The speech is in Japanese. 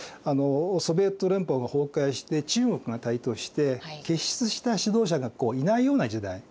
ソビエト連邦が崩壊して中国が台頭して傑出した指導者がいないような時代。